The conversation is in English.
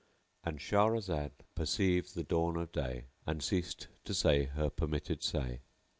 "—And Shahrazad perceived the dawn of day and ceased to say her permitted say.